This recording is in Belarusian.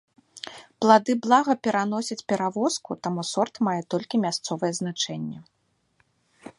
Плады блага пераносяць перавозку, таму сорт мае толькі мясцовае значэнне.